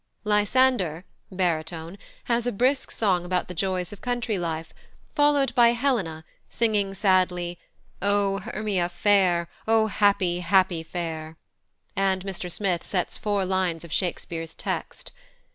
Lysander (baritone) has a brisk song about the joys of country life, followed by Helena, singing, sadly, "O Hermia fair; O happy, happy fair"; and Mr Smith sets four lines of Shakespeare's text.